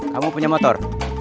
kamu punya motor